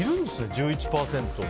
１１％。